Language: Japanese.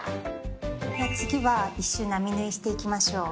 次は一周なみ縫いしていきましょう。